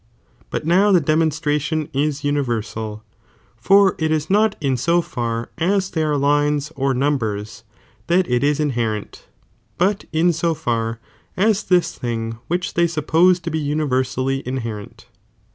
But now the demonstration is universal, for it ia not in bo far as they are lines or numbers, that it in inherent, but in so far as this thing which they suppose to be nniversally inherent.